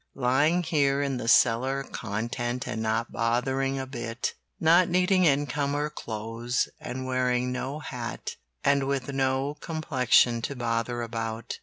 Lying here in the cellar content and not bothering a bit. Not needing income or clothes, and wearing no hat, and with no complexion to bother about.